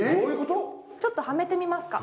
ちょっとはめてみますか？